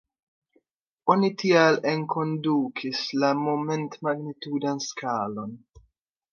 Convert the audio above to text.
Oni tial enkondukis la Momant-magnitudan skalon.